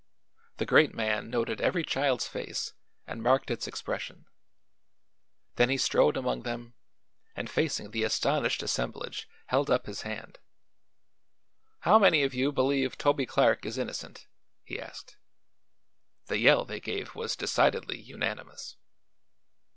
The Great Man noted every child's face and marked its expression. Then he strode among them and facing the astonished assemblage held up his hand. "How many of you believe Toby Clark is innocent?" he asked. The yell they gave was decidedly unanimous.